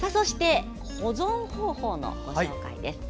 保存方法のご紹介です。